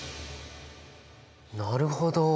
なるほど！